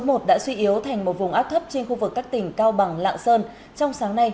bão số một đã suy yếu thành một vùng áp thấp trên khu vực các tỉnh cao bằng lạng sơn trong sáng nay